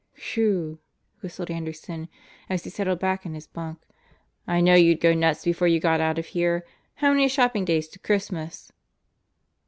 "Whew!" whistled Anderson as he settled back in his bunk. "I knew you'd go nuts before you got out of here. How many shopping days to Christmas?"